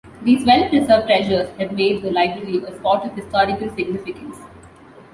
These well-preserved treasures have made the library a spot of historical significance.